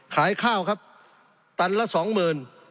ขายข้าวครับตันละ๒๐๐๐๐บาท